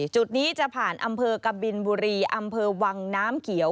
จุดนี้จะผ่านอำเภอกบินบุรีอำเภอวังน้ำเขียว